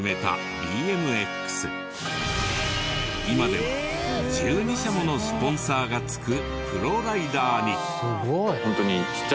今では１２社ものスポンサーがつくプロライダーに。